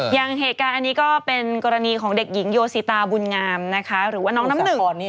อย่างเหตุการณ์อันนี้ก็เป็นกรณีของเด็กหญิงโยสิตาบุญงามนะคะหรือว่าน้องน้ำเหนือ